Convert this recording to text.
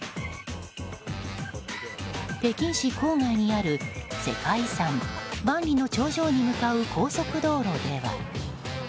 北京市郊外にある世界遺産万里の長城に向かう高速道路では。